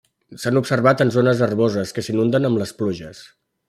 S'ha observat en zones herboses que s'inunden amb les pluges.